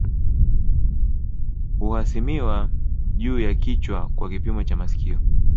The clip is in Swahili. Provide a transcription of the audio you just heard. Huhasimiwa juu ya kichwa kwa kipimo cha masikio